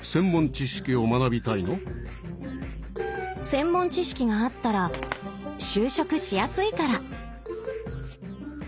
専門知識があったら就職しやすいから。